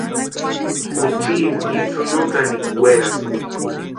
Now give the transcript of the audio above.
Juchini itsï no kanikwa werasïnti.